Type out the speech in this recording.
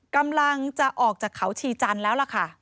กำลังจะออกจากเขาชีจันทร์แล้วล่ะค่ะ